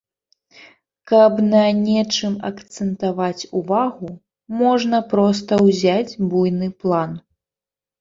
Каб на нечым акцэнтаваць увагу, можна проста ўзяць буйны план.